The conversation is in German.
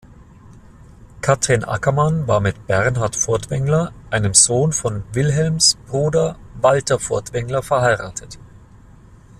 Kathrin Ackermann war mit Bernhard Furtwängler, einem Sohn von Wilhelms Bruder Walter Furtwängler, verheiratet.